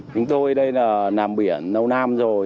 chúng tôi đây là nam biển nâu nam rồi